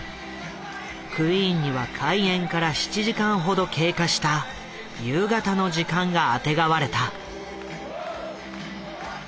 クイーンには開演から７時間ほど経過した夕方の時間があてがわれた。